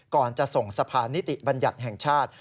ก่อนจะส่งสะพานนิติบัญญัติแห่งชาติ